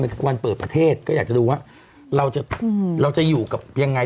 ถ้าสมมุติ๑๒๐วันเปิดประเทศก็อยากจะรู้ว่าเราจะอยู่ยังไง